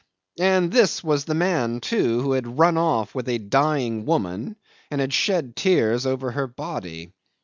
And this was the man, too, who had run off with a dying woman, and had shed tears over her body.